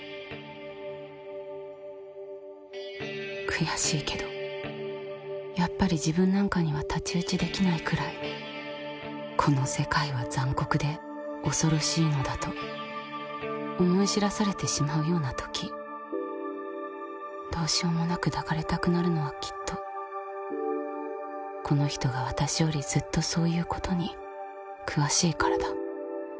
悔しいけどやっぱり自分なんかには太刀打ちできないくらいこの世界は残酷で恐ろしいのだと思い知らされてしまうようなときどうしようもなく抱かれたくなるのはきっとこの人が私よりずっとそういうことに詳しいからだ。